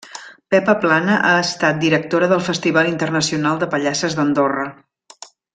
Pepa Plana ha estat directora del Festival Internacional de Pallasses d'Andorra.